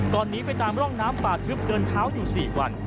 ก่อนนี้ไปตามร่องน้ำป่าคืบเดินเท้าอยู่สี่วัน